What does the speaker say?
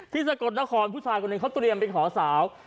ที่สะกดนครผู้ชายคนนี้เขาเตรียมเป็นขอสาว